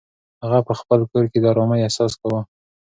هغه په خپل کور کې د ارامۍ احساس کاوه.